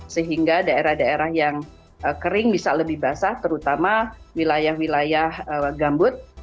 sehingga daerah daerah yang kering bisa lebih basah terutama wilayah wilayah gambut